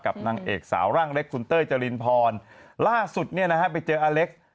กับนางเอกสาวร่างเล็กซ์คุณเต้ยเจรินพรล่าสุดไปเจออเล็กซ์